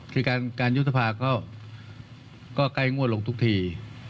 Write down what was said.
คือการยุบสภาก็ใกล้งวดลงทุกที